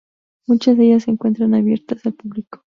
Muchas de ellas se encuentran abiertas al público.